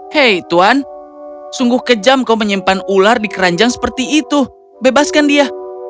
hei tuan sungguh kejam kau menyimpan ular di keranjang seperti itu bebaskan dia